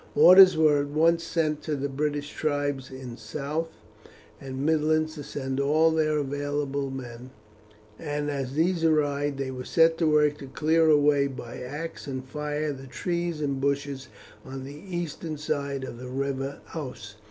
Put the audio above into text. Orders were at once sent to the British tribes in south and midlands to send all their available men, and as these arrived they were set to work to clear away by axe and fire the trees and bush on the eastern side of the river Ouse.